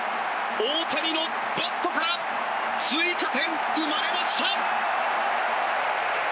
大谷のバットから追加点生まれました！